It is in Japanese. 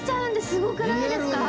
すごくないですか？